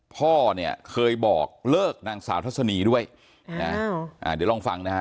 พ่อเนี่ยเคยบอกเลิกนางสาวทัศนีด้วยนะเดี๋ยวลองฟังนะฮะ